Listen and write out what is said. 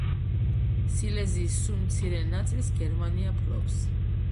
სილეზიის სულ მცირე ნაწილს გერმანია ფლობს.